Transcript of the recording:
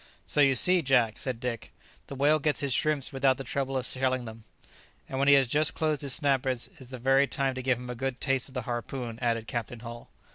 "So you see, Jack," said Dick, "the whale gets his shrimps without the trouble of shelling them." "And when he has just closed his snappers is the very time to give him a good taste of the harpoon," added Captain Hull.